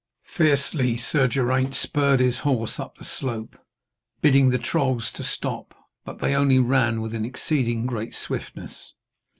Fiercely Sir Geraint spurred his horse up the slope, bidding the trolls to stop, but they only ran with an exceeding great swiftness.